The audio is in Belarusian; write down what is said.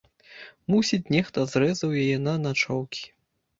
Мусіць, нехта зрэзаў яе на начоўкі.